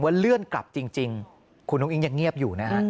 เลื่อนกลับจริงคุณอุ้งอิ๊งยังเงียบอยู่นะฮะ